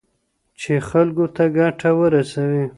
چي خلګو ته ګټه ورسوي.